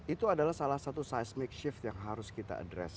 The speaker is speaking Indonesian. itu adalah salah satu seismic shift yang harus kita addres